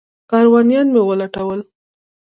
کاروانیان مې ولټول.